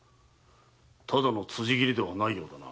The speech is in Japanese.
ただの辻斬りではないようだな。